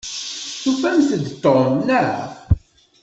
Tufamt-d Tom, naɣ?